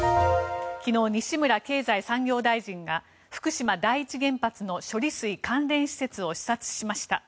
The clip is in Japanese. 昨日、西村経済産業大臣が福島第一原発の処理水関連施設を視察しました。